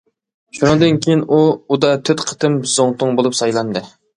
شۇنىڭدىن كېيىن ئۇ ئۇدا تۆت قېتىم زۇڭتۇڭ بولۇپ سايلاندى.